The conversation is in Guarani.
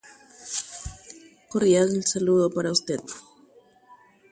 Maitei horyvéva ndéve.